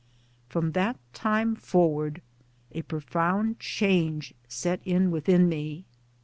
From that time forward a profound change set in within me.